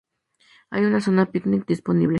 Hay una zona de picnic disponible.